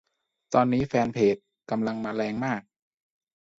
ตอนนี้แฟนเพจ กำลังมาแรงมาก